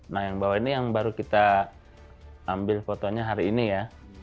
nah yang bawah ini yang baru kita ambil fotonya hari ini ya